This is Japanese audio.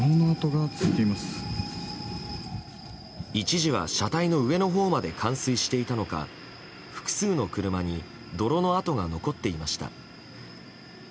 一時は車体の上のほうまで冠水していたのか複数の車に泥の跡が残っていました。